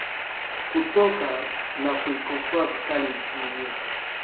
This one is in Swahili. kutoka na kuikosoa vikali nchi hiyo